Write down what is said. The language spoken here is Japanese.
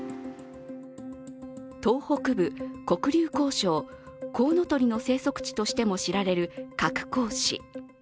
東北部黒竜江省コウノトリの生息地としても知られる鶴崗市。